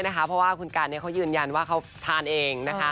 เพราะว่าคุณกันเขายืนยันว่าเขาทานเอง